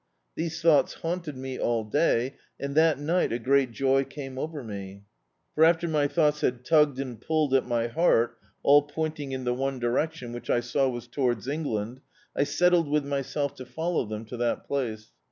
These thoughts haunted me all day, and that nig^t a great joy came over me; for after my thoughts had tugged and pulled at my heart, all pointing in the one direction, which I saw was towards Eng land, I settled with myself to follow them to that place.